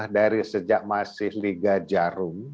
dari sejak masih liga jarum